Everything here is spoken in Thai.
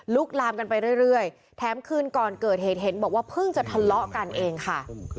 ลามกันไปเรื่อยแถมคืนก่อนเกิดเหตุเห็นบอกว่าเพิ่งจะทะเลาะกันเองค่ะ